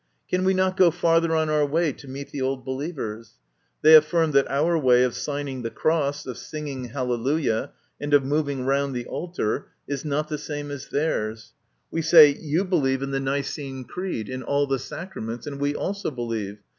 Can we not go farther on our way to meet the Old Believers ? They affirm that our way of signing the cross, of singing hallelujah, and of moving round the altar, is not the same as theirs. We say, " You believe in the Nicene Creed, in all the sacraments, and we also believe."